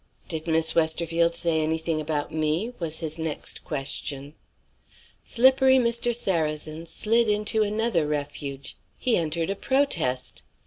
"Did Miss Westerfield say anything about me?" was his next question. Slippery Mr. Sarrazin slid into another refuge: he entered a protest.